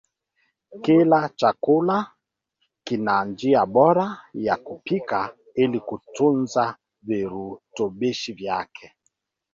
Kila chakula kina njia bora ya kukipika ili kutunza virutubishi vyake